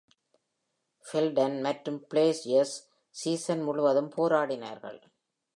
ஃபெல்டன் மற்றும் பிளேஜர்ஸ் சீசன் முழுவதும் போராடினார்கள்.